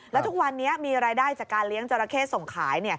แล้วทุกวันนี้มีรายได้จากการเลี้ยงจราเข้ส่งขาย